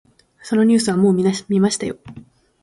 そのニュースはもう見ましたよ。